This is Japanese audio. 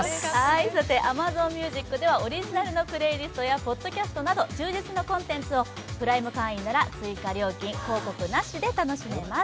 ＡｍａｚｏｎＭｕｓｉｃではオリジナルのプレートセットやポッドキャストなど充実なコンテンツをプライム会員なら追加料金なしで楽しめます。